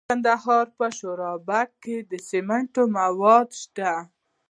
د کندهار په شورابک کې د سمنټو مواد شته.